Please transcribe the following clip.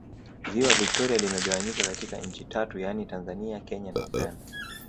Ziwa Victoria limegawanyika katika nchi tatu yaani Tanzania Kenya na Uganda